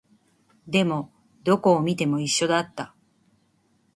でも、どこを見ても一緒だった